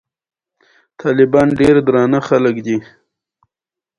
انګور د افغانستان په ستراتیژیک اهمیت کې رول لري.